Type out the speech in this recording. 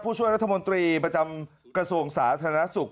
ช่วยรัฐมนตรีประจำกระทรวงสาธารณสุข